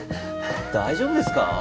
大丈夫ですか？